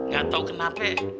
ga tau kenapa